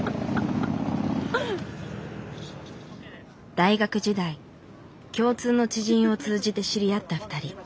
大学時代共通の知人を通じて知り合った２人。